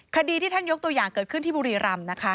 คดีที่ท่านยกตัวอย่างเกิดขึ้นที่บุรีรำนะคะ